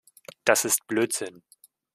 Das ist Blödsinn.